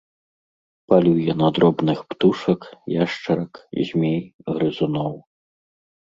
Палюе на дробных птушак, яшчарак, змей, грызуноў.